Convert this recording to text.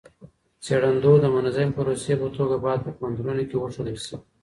څېړندود د منظمي پروسې په توګه باید په پوهنتونونو کي وښودل سي.